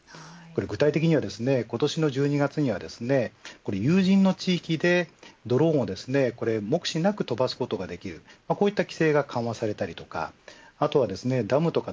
具体的には今年の１２月には有人の地域でドローンを目視なく飛ばすことができるこういった規制が緩和されたりとかダムとか